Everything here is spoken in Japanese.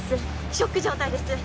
ショック状態です